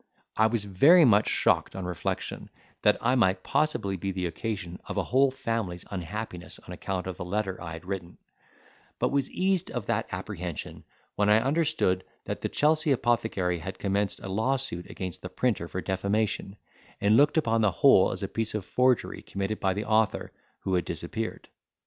I was very much shocked on reflection, that I might possibly be the occasion of a whole family's unhappiness on account of the letter I had written; but was eased of that apprehension, when I understood that the Chelsea apothecary had commenced a lawsuit against the printer for defamation, and looked upon the whole as a piece of forgery committed by the author, who had disappeared.